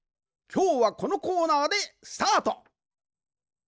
きょうはこのコーナーでスタート！